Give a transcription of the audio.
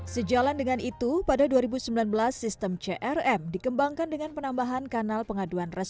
sejalan dengan itu pada dua ribu sembilan belas sistem crm dikembangkan dengan penambahan kanal pengaduan resmi